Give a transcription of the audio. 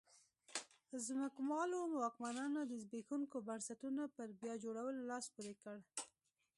ځمکوالو واکمنانو د زبېښونکو بنسټونو پر بیا جوړولو لاس پورې کړ.